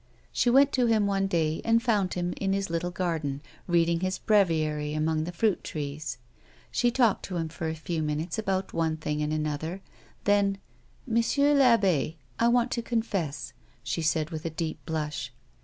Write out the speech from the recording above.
She went to him one day and found him in his little garden, reading his breviary amongst the fruit trees. She talked to him for a few minutes about one thing and another, then : "Monsieur I'abbe, I want to confess," she said, with a deep blush.